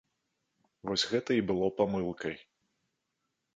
Вось гэта і было памылкай.